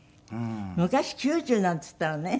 昔９０なんていったらね。